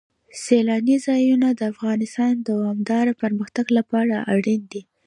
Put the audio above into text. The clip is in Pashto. سیلانی ځایونه د افغانستان د دوامداره پرمختګ لپاره اړین دي.